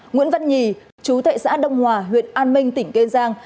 nguyễn văn nhì chú thệ xã đông hòa huyện an minh tỉnh kê giang